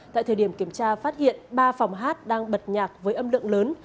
tại thời điểm kiểm tra phát hiện ba phòng hát đang bật nhạc với âm lượng lớn